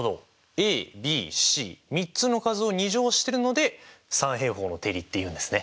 ａｂｃ３つの数を２乗してるので三平方の定理っていうんですね。